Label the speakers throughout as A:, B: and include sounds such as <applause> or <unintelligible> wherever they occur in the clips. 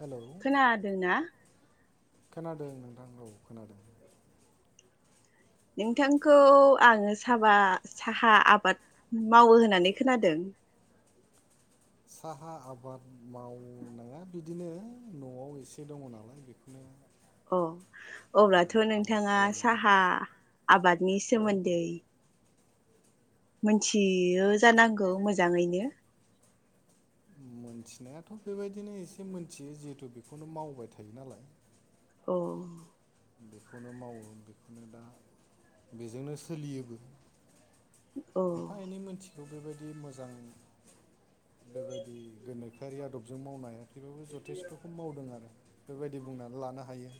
A: Hello.
B: खोनादों ना?
A: खोनादों नोंथां औ खोनादों।
B: नोंथांखौ आङो साबा साहा आबाद मावो होननानै खोनादों।
A: साहा आबाद मावनो बिदिनो न'वाव एसे दङ नालाय बेखौनो
B: अ अब्लाथ'
A: आबाद
B: नोंथाङा
A: खालामनांगौ
B: साहा आबादनि सोमोन्दै मोनथियो जानांगौ मोजाङैनो
A: उम मोनथिनायाथ' बेबायदिनो एसे मोनथियो जिहेथु बेखौनो मावबाय थायो नालाय
B: औ
A: बेखौनो मावो बेखौनो दा बेजोंनो सोलियोबो
B: अ
A: एफा एनै मोनथि थ' बेबायदि मोजां बेबायदि गोनोखोआरि आदबजों मावनाय बेफोरखौ जथेस्थ'खौ मावदों आरो बेबायदि बुंनानै लानो हायो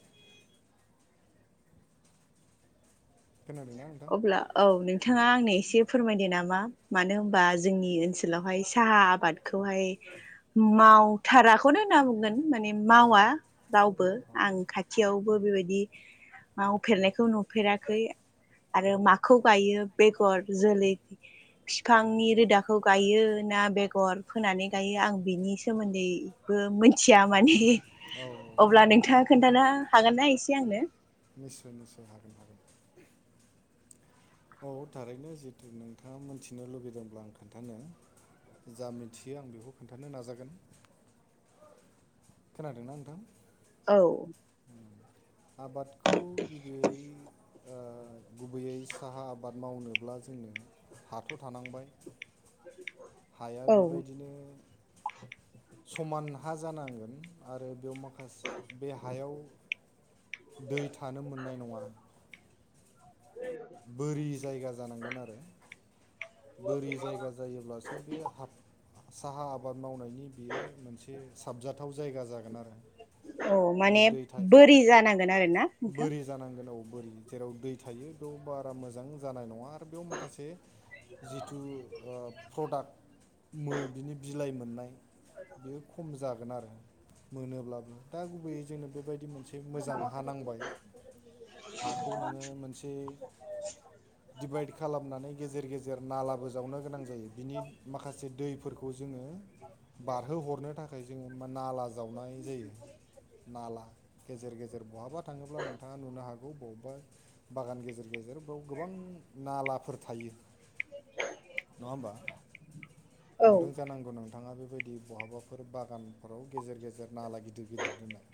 A: खोनादोंना नोंथां
B: अब्ला औ नोंथाङा आंनो एसे फोरमायदो नामा मानो होनबा जोंनि ओनसोलावहाय साहा आबादखौहाय मावथाराखौनो होनना बुंगोन माने
A: औ
B: मावा रावबो
A: औ
B: आं खाथियावबो बेबायदि मावफेरनायखौ नुफेराखै आरो माखौ गायो बेगर जोलै फिफांनि रोदाखौ गायो ना बेगर फोनानै गायो आं बेनि सोमोन्दैबो मिथिया माने
A: औ औ
B: अब्ला
A: नंगौ
B: नोंथां खोन्थानो हागोनना एसे आंनो
A: निस्सय निस्सय हागोन हागोन औ थारैनो जिथु नोंथाङा मोथिनो लुुबैदोंब्ला आं खोन्थानो जा मिथियो आं बेखौ खोन्थानो नाजागोन खोनादोंना नोंथां?
B: औ
A: आबादखौ गिबियै ओ गुबैयै साहा आबाद मावनोब्ला जोंनो हाथ' थानांबाय हाया
B: औ
A: बेबायदिनो समान हा जानांगोन आरो बेयाव माखास बे हायाव दै थानो मोननाय नङा बोरि जायगा जानांगोन आरो बोरि जायगा जायोब्लासो बे हाब साहा आबाद मावनायनि बियो मोनसे साबजाथाव जायगा जागोन आरो
B: अ
A: बेयाव
B: माने
A: दै थायो
B: बोरि जानांगोन आरोना नोंथां
A: बोरि जानांगोन औ बोरि जेराव दै थायो बेयाव बारा मोजां जानाय नङा आरो बेयाव माखासे जिथु ओ प्रडाक्ट मो बिनि बिलाइ मोननाय बेयो खम जागोन आरो मोनोब्लाबो दा गुबैयै जोंनो बेबायदि मोनसे मोजां हा नांबाय हाखौ नोङो मोनसे डिभाइड खालामनानै गेजेर गे जेर नालाबो जावनो गोनां जायो बिनि माखासे दैफोरखौ जोङो बारहो हरनो थाखाय जोङो नाला जावनाय जायो। नाला गेजेर गेजेर बहाबा थाङोब्ला नोंथाङा नुनो हागौ बबेबा बागान गेजेर गेजेर बेयाव गोबां नालाफोर थायो। नङा ओमबा
B: औ
A: नुदों जानांगौ नों थाङा बेबायदि बहाबाफोर बागानफोराव गेजेर गेजेर नाला गिदिर गिदिर दोननाय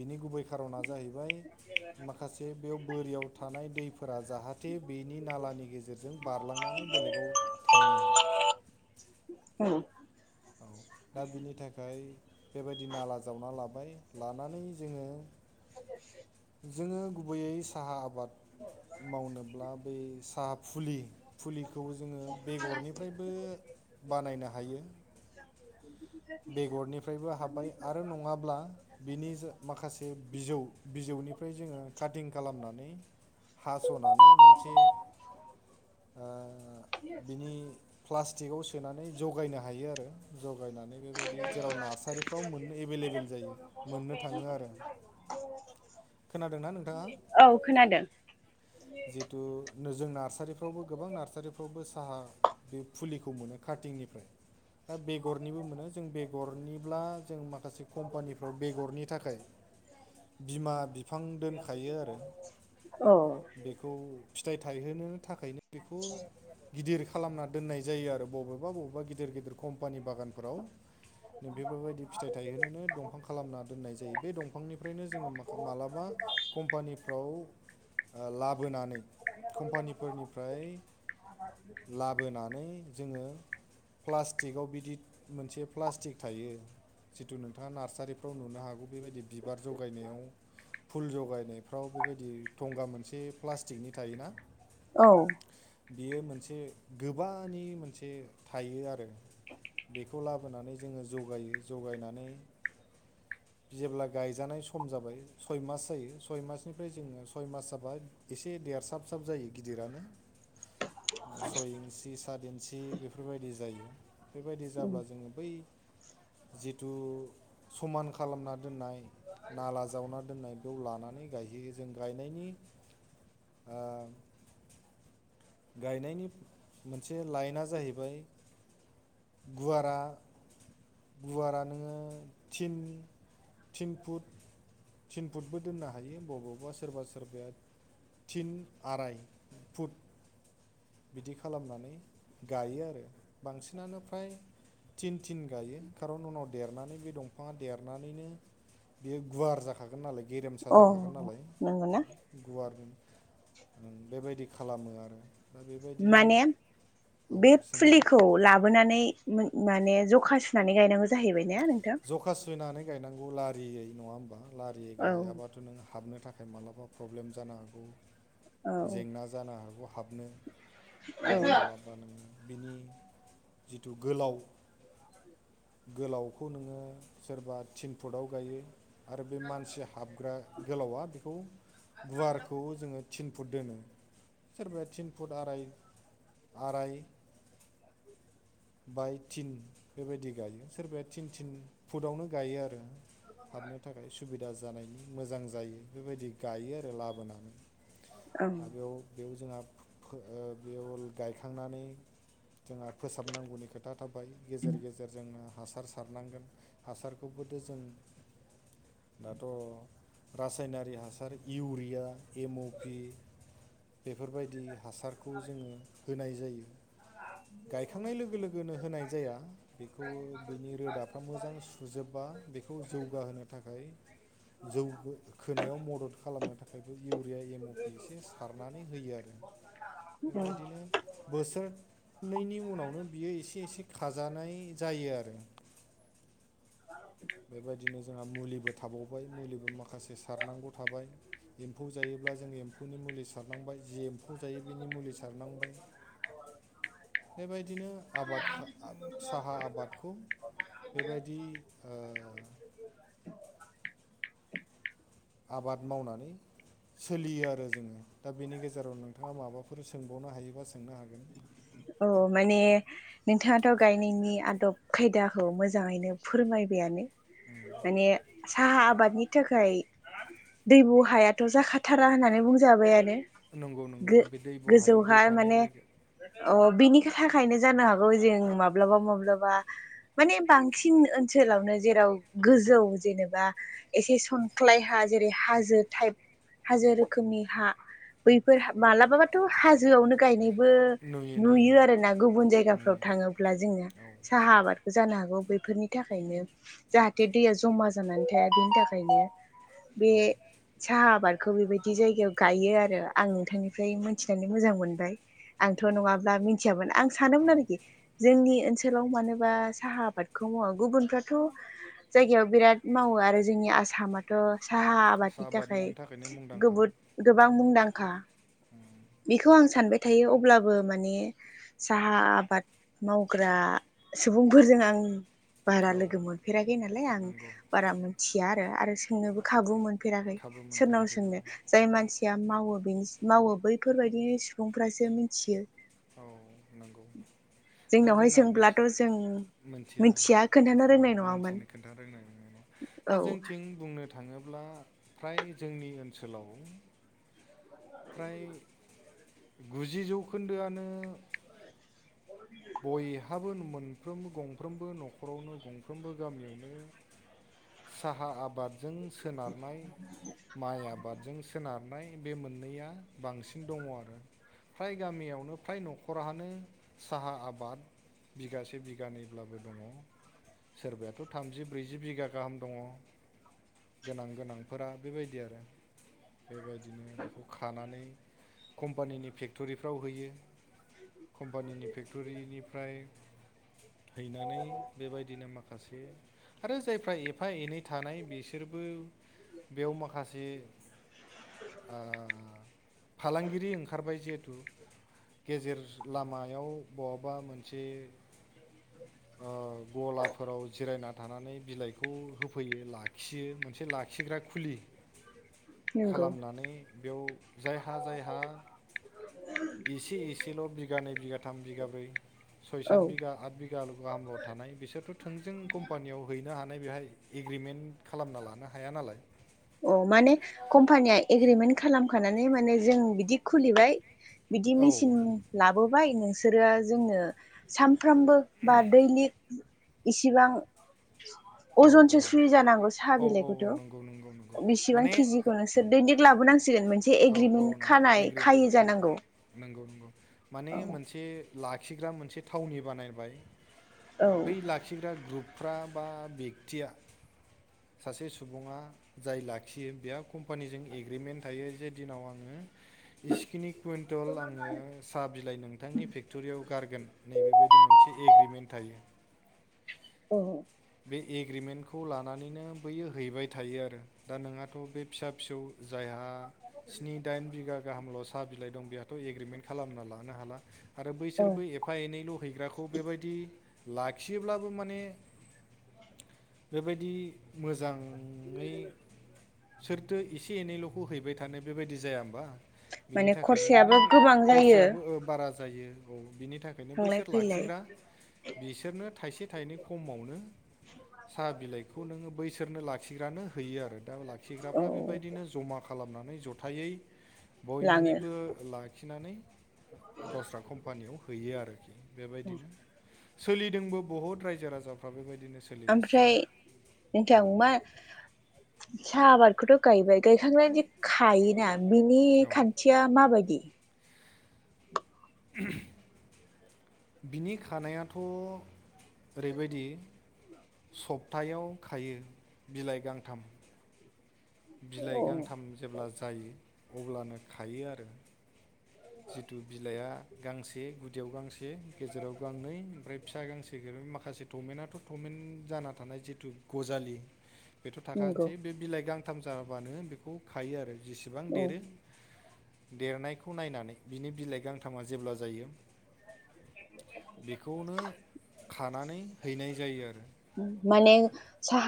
A: बिनि गुबै खारना जाहैबाय माखासे बेयाव बोरियाव थानाय दैफोरा जाहा थे बेनि नालानि गेजेरजों बारलांनानै बेलेगाव थाङो
B: <inaudible> औ
A: औ दा बिनि थाखाय बेबायदि नाला जावना लाबाय लानानै जोङो जोङो गुबैयै साहा आबाद मावनोब्ला बै साहा फुलि फुलिखौ जोङो बेगरनिफ्रायबो बानायनो हायो। बेगरनिफ्रायबो हाब्बाय आरो नङाब्ला बिनि जा माखासे बिजौ बिजौनिफ्राय जोङो काटिं खालामनानै हास'नानै मोनसे आ बिनि प्लास्टिकआव सोनानै जगायनो हायो आरो जगायनानै बेबायदि जेराव नार्सारिफ्राव मोननो एभेलेबेल जायो मोननो थाङो आरो खोनादोंना नोंथाङा?
B: औ खोनादों
A: जिथु जों नार्सारिफ्रावबो गोबां नार्सारिफ्रावबो साहा बे फुलिखौ मोनो काटिंनिफ्राय दा बेगरनिबो मोनो जों बेगरनिब्ला जों माखासे कम्पानिफ्राव बेगरनि थाखाय बिमा बिफां दोनखायो आरो
B: औ
A: बेखौ फिथाइ थायहोनो थाखायनो बेखौ गिदिर खालामना दोननाय जायो आरो बबेबा बबेबा गिदिर गिदिर कम्पानि बागानफोराव बेफोरबायदि फिथाइ थायहो होनोनो दंफां खालामना दोननाय जायो बे दंफांनिफ्रायनो जोङो मालाबा कम्पानिफ्राव लाबोनानै कम्पानिफोरनिफ्राय लाबोनानै जोङो प्लास्टिकआव बिदि मोनसे प्लास्टिक थायो जिथु नोंथाङा नार्सारिफ्राव नुनो हागौ बेबायदि बिबार जगायनायाव फुल जगायनायफ्राव बेबायदि थंगा मोनसे प्लास्टिकनि थायोना
B: औ
A: बियो मोनसे गोबानि मोनसे थायो आरो बेखौ लाबो होनानै जोङो जागायो जगायनानै जेब्ला गायजानाय सम जाबाय सय मास जायो सय मासनिफ्राय जोङो सय मास जाबा एसे देरसाबसाब जायो गिदिरानो। सय इन्सि सात इन्सि बेफोरबायदि जायो बेबायदि जाब्ला जोङो बै जिथु समान खालामना दोननाय नाला जावना दोन्नाय बेयाव लानानै गायहैयो जों गायनायनि आ गायनायनि मोनसे लाइना जाहैबाय गुवारा गुवारा नोङोन थिन थिन फुट थिन फुटबो दोननो हायो बबावबा सोरबा सोरबाया थिन आराय फुट बिदि खालामनानै गायो आरो बांसिनानो फ्राय थिन थिन गायो खारन उनाव देरनानै बे दंफाङा देरनानैनो बेयो गुवार जाखागोन नालाय गेरेमसा
B: औ
A: जाखागोन नालाय
B: नंगौना
A: गुवार जों ओम बेबायदि खालामो आरो दा बेबायदिनो
B: माने
A: औ
B: बे
A: सोंना
B: फुलिखौ ला लााबोनानै माने जखा सुनानै गायनांगौ जाहैबाय ने नोंथां। <unintelligible>
A: जखा सुयनानै गायनांगौ लारियै नङा होमबा लारियै
B: औ
A: गाययाबाथ' नों हाबनो थाखा य माब्लाबा प्रब्लेम जानो हागौ
B: औ
A: जेंना जानो हागौ हाबनो आरो
B: औ
A: मालाबा नों बिनि जिथु गोलाव गोलावखौ नोङो सोरबा थिन फुटाव गायो आरो बे मानसि हाबग्रा गोलावा बेखौ गुवारखौ जोङो थिन <unintelligible> दोनो सोरबाया थिन फुट आराय आराय
B: <inaudible>
A: बाय थिन बेबायदि गायो सोरबाया थिन थिन फुटावनो गायो आरो। हाबनो थाखाय सुबि दा जानायनि मोजां जायो बेबायदि गायो आरो लाबोनानै दा बेयाव बेयाव जोंहा ओ बेयाव गायखांनानै जोंहा फोसाबनांगौनि खोथा थाबाय गेजेर गेजेर गेजेरजोंनो हासार सारनांगोन हासारखौबोथ' जों दाथ' रासायनारि हासार इउरिया एम अ पि बेफोरबायदि हासारखौ जोङो होनाय जायो गायखांनाय लोगो लोगोनो होनाय जाया। बेखौ बिनि रोदाफ्रा मोजां सुजोबबा बेखौ जौगाहोनो थाखाय जौ खोनायाव मदद खालामनो थाखायबो इउरिया एम अ पि एसे सारनानै होयो आरो। <inaudible>
B: औ
A: बेबायदिनो बोसोरनैनि उनावनो बियो एसे एसे खाजानाय जायो आरो। बेबायदिनो जोंहा मुलिबो थाबावबाय मुलिबो माखासे सारनांगौ थाबाय। एम्फौ जायोब्ला जों एम्फौनि मुलि सारनांबाय जि एम्फौ जायो बेनि मुलि सारनांबाय। बेबायदिनो आबाद खा आ साहा आबादखौ बेबायदि आ आबाद मावनानै सोलियो आरो जोङो दा बेनि गेजेराव नोंथाङा माबाफोर सोंबावनो हायोबा सोंनो हागोन।
B: अ माने नोंथाङाथ' गायनायनि आदब खायदाखौ मोजाङैनो फोरमायबायानो।
A: उम।
B: माने साहा आबादनि थाखाय दैबु हायाथ' जाखाथारा होननानै बुंजाबायानो।
A: नंगौ नंगौ बे दैबु हायाव दै
B: गो-गोजौहाय
A: थानाय
B: माने
A: जायगा।
B: अ बेनि थाखायनो जानो हागौ जों माब्लाबा माब्लाबा माने बांसिन ओनसोलावनो जेराव गोजौ जेनेबा एसे सनख्लाय हा जेरै हाजो टाइप हाजो रोखोमनि हा बैफोर मालाबाबाथ' हाजोआवनो गायनाय। बो नुयो आरोना गुबुन जायगाफ्राव
A: नुयो
B: थाङोब्ला जोङो साहा आबाद जानो हागौ बैफोरनि थाखायनो जाहाथे दैया जमा जानानै थाया बेनि थाखायनो बे
A: औ
B: साहा आबा खौ बेबायदि जायगायाव गायो आरो आं नोंथांनिफ्राय मोनथिनानै मोजां मोनबाय आंथ'
A: औ
B: नङा ब्ला मिनथियामोन आं सानोमोन आरोखि। जोंनि ओनसोलाव मानोबा साहा आबादखौ मावा गुबुनफ्राथ' जायगायाव बिराद मावो आरो जोंनि आसामाथ' साहा
A: साहा
B: आबादनि थाखाय
A: आबादनिनो थाखायनो मुंदांखा
B: गोबोद गोबां मुंदांखा
A: <inaudible>
B: बेखौ आं सानबाय थायो अब्लाबो माने साहा आबाद मावग्रा सुबुंफोरजों आं बारा
A: औ
B: लोगो मोनफेराखै नालाय आं
A: नंगौ
B: बारा मोनथिया आरो आरो
A: औ
B: सोंनोबो खाबु मोनफेराखै
A: खाबु
B: सोरनाव
A: मोनफेराखै औ
B: सोंनो जाय मानसिया मावो बेनि मावो बैफोरबायदि सुबुंफ्रासो मिथियो।
A: औ नंगौ। दा
B: जोंनावहाय
A: जोंना बि
B: सोंब्लाथ' जों
A: मोनथिया
B: मिथिया खोन्थानो
A: औ
B: रोंनाय नङामोन
A: मोनथिनो खोन्थानो रोंनाय नङा दा
B: औ
A: जोंथिं बुंनो थाङोब्ला फ्राय जोंनि ओनसोलाव फ्राय गुजि जौखोन्दोआनो
B: <inaudible>
A: बयहाबो मोनफ्रोमबो गंफ्रोमबो न'खरावनो गंफ्रोमबो गामियावनो साहा आबादजों सोनारनाय। माइ आबादजों सोनारनाय बे मोननैया बांसिन दङ आरो। फ्राय गामियावनो फ्राय न'खरानो साहा आबाद बिगासे बिगानैब्लाबो दङ। सोरबायाथ' थामजि ब्रैजि बिगा गाहाम दङ। गोनां गोनांफोरा बेबायदि आरो बेबायदिनो बेखौ खानानै कम्पानिनि फेक्ट'रिफ्राव होयो। कम्पानिनि फेक्टरिनिफ्राय हैनानै बेबायदिनो माखासे आरो जायफ्रा एफा एनै थानाय बिसोरबो बेयाव माखासे आ फालांगिरि ओंखारबाय जिहेथु गेजेर लामायाव बहाबा मोनसे गलाफोराव जिरायना थानानै बिलाइखौ होफैयो लाखियो मोनसे ला खिग्रा खुलि
B: नंगौ
A: खालामनानै बेयाव जायहा जायहा एसे एसेल' बिगानै बिगा थाम बिघा ब्रै सय सत
B: औ
A: बिघा आत बिघा गालु गाहामलायाव थानाय बिसोरथ' थोंजों कम्पानियाव हैनो हानाय बेहाय एग्रिमेन्ट खालामना लानो हाया नालाय।
B: अ माने कम्पानिया एग्रिमेन्ट खालामखानानै माने जों बिदि खुलिबाय। बिदि
A: औ
B: मेचिन लाबोबाय नोंसोरो जोंनो सामफ्रामबो बा दै लिग इसिबां
A: औ
B: अजनसो सुुयो जानांगौ साहा
A: औ औ
B: बिलाइखौथ'
A: औ नोंगौ।
B: बिसिबां केजिखौ नोंसोर दैलिक लाबोनांसिगोन मोनसे
A: औ औ
B: एग्रिमेन्ट
A: न
B: खानाय खायो
A: एग्रिमेन्ट खा
B: जानांगौ।
A: नंगौ नंगौ माने
B: औ
A: मोनसे लाखिग्रा मोनसे थावनि बानायबाय।
B: औ
A: बै लाखिग्रा ग्रुपफ्रा बा बेक्तिया सासे सुबुङा जाय लाखियो बेहा कम्पानिजों एग्रिमेन्ट थायो जे दिनाव आङो इस्किनि कुवइन्टल आङो साहा बिलाइ नोंथांनि फेक्ट'रियाव गारगोन। नैबेबायदि मोनसे एग्रिमेन्ट थायो।
B: <unintelligible>
A: बे एग्रिमेन्टखौ लानानैनो बैयो हैबाय थायो आरो। दा नोंहाथ' बे फिसा फिसौ जायहा स्नि दाइन बिगा गाहामल' साह बिलाइ दं बेथ' एग्रिमेन्ट खालामना लानो हाला। आरो
B: औ
A: बैसोरबो एफा एनैल' हैग्राखौ बेबायदि लाखियोब्लाबो माने बेबायदि मोजाङै सोर जों एसे एनैल'खौ हैबाय थानो बेबायदि जाया होमबा? बिनि
B: माने
A: थाखायनो माने
B: खरसायाबो
A: बे
B: गोबां जायो
A: खरसायाबो बारा जायो औ बिनि थाखाय बेखायनो
B: थांलाय
A: बैसोर
B: फैलाय
A: लाखिग्रा बिसोरनो थाइसे थाइनै खमावनो साहा बिलाइखौ नोङो बैसोरनो लाखिग्रानो होयो आरो दा
B: औ
A: लाखिग्राफ्रा बेबायदिनो जमा। खालामनानै जथायै
B: लाङो
A: बयनिबो लाखिनानै गावस्रा कम्पानियाव हैयो आरोखि बेबायदिनो सोलिदोंबो बहुत रायजो राजाफ्रा बेबायदिनो सोलिगासिनो
B: ओमफ्राय नोंथां मा
A: औ
B: साहा आबादखौथ' गायबाय गायखांनानै जे खायोना बिनि
A: औ
B: खान्थि या माबायदि
A: <unintelligible> बिनि खानायाथ' ओरैबायदि सप्थायाव खायो बिलाइ गांथाम। बिलाइ
B: अ
A: गांथाम जेब्ला जायो अब्लानो खायो आरो। जिथु बिलाइआ गांसे गुदियाव गांसे गेजेराव गांनै ओमफ्राय फिसा गांसे जक माखासे टमेन्टथ' टमेनट जाना थानाय जिथु गजालि बेथ'
B: नंगौ
A: थाखानोसै बे बिलाइ गांथाम जाबानो बेखौ खायो आरो जेसेबां
B: औ
A: देरो देरनायखौ नायनानै बिनि बिलाइ गांथामा जेब्ला जायो। बेखौनो खानानै हैनाय जायो आरो।
B: माने साहा।